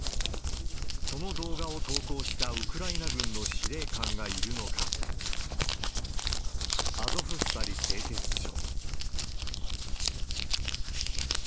この動画を投降したウクライナ軍の司令官がいるのが、アゾフスタリ製鉄所。